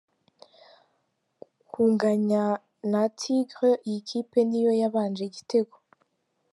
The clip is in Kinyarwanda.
kunganya na Tigre. Iyi kipe ni yo yabanje igitego